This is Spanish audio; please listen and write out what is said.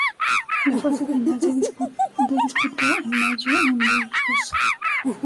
La fase final de disputó en mayo en Burgos.